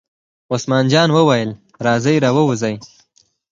عثمان جان وویل: راځئ را ووځئ.